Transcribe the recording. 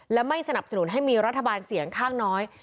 และไม่สนับสนุนให้มีรัฐบาลเสียงข้างน้อย